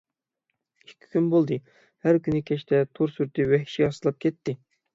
ئىككى كۈن بولدى، ھەر كۈنى كەچتە تور سۈرئىتى ۋەھشىي ئاستىلاپ كەتتى.